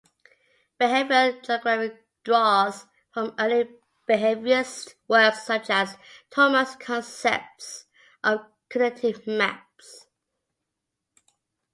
Behavioral geography draws from early behaviorist works such as Tolman's concepts of "cognitive maps".